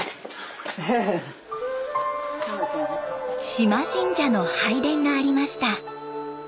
島神社の拝殿がありました。